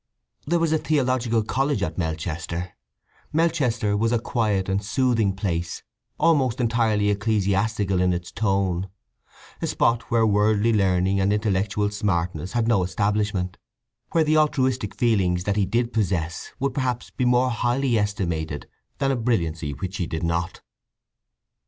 There was a theological college at Melchester; Melchester was a quiet and soothing place, almost entirely ecclesiastical in its tone; a spot where worldly learning and intellectual smartness had no establishment; where the altruistic feeling that he did possess would perhaps be more highly estimated than a brilliancy which he did not.